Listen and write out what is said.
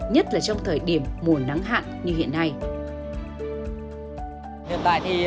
nhất là trong thời điểm mùa nắng hạn như hiện nay